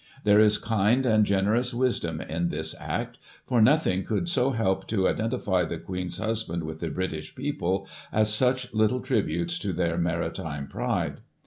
There is kind and generous wisdom in this act ; for nothing could so help to identify the Queen's husband with the British people, as such little tributes to their maritime pride.